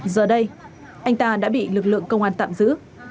giờ đây anh ta đã bị lực lượng công an tạm giữ